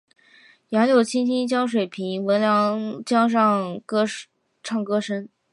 杨柳青青江水平，闻郎江上唱歌声。